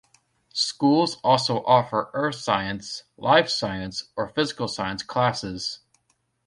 Schools also offer Earth Science, Life Science, or Physical Science classes.